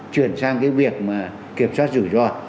chuyển sang cái việc mà kiểm soát rủi ro